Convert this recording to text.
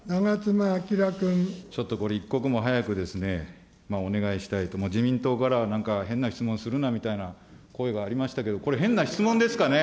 ちょっとこれ、一刻も早くですね、お願いしたいと、自民党からはなんか変な質問するなみたいな声がありましたけれども、これ、変な質問ですかね。